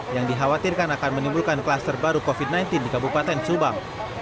yang dikhawatirkan akan menimbulkan kluster baru covid sembilan belas di kabupaten subang